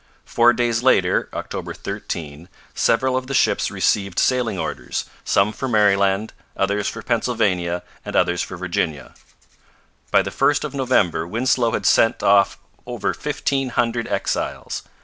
Four days later (October 13) several of the ships received sailing orders, some for Maryland, others for Pennsylvania, and others for Virginia. By the 1st of November Winslow had sent off over fifteen hundred exiles.